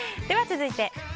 では続いて。